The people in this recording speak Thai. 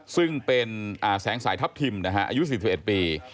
ซึ่งเป็นแสงสายทัพทิมอายุ๔๑ปี